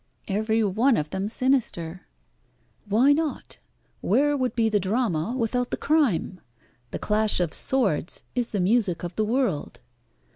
"Every one of them sinister." "Why not? Where would be the drama without the crime? The clash of swords is the music of the world.